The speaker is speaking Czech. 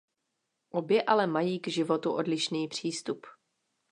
Obě ale mají k životu odlišný přístup.